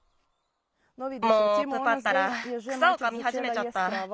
もうプパったら草をかみはじめちゃった。